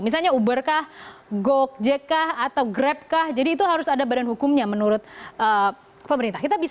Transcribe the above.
misalnya uber kah gok jk atau grab kah jadi itu harus ada badan hukumnya menurut pemerintah